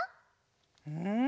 うん？